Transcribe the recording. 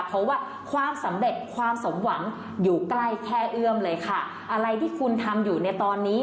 เพราะว่าความสำเร็จความสมหวังอยู่ใกล้แค่เอื้อมเลยค่ะอะไรที่คุณทำอยู่ในตอนนี้